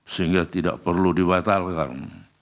sehingga tidak perlu dibatalkan